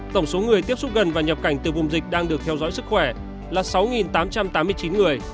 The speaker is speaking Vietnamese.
tổng số người tiếp xúc gần và nhập cảnh từ vùng dịch đang được theo dõi sức khỏe là sáu tám trăm tám mươi chín người